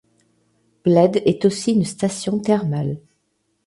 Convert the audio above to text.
Bled est aussi une station thermale.